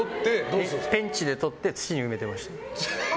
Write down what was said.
ペンチでとって土に埋めてました。